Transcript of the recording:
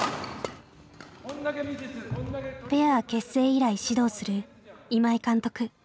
ペア結成以来指導する今井監督。